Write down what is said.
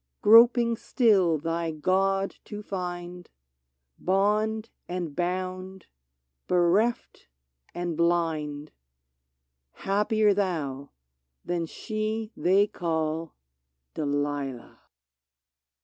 — Groping still thy God to find, Bond and bound, bereft and blind, — Happier thou than she they call Delilah